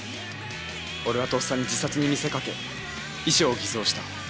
俺はとっさに自殺に見せかけ遺書を偽造した。